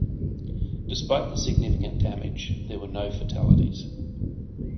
Despite the significant damage, there were no fatalities.